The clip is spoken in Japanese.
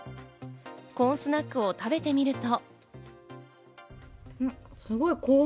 コーンスナックを食べてみると。